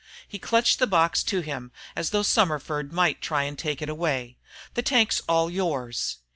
He clutched the box to him as though Summerford might try to take it away. "The tank's all yours."